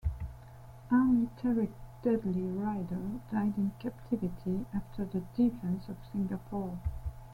Ernle Terrick Dudley Ryder died in captivity after the defence of Singapore.